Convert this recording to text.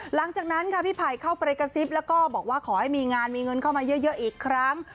หลังจากนั้นค่ะพี่ไผ่เข้าไปกระซิบแล้วก็บอกว่าขอให้มีงานมีเงินเข้ามาเยอะอีกครั้ง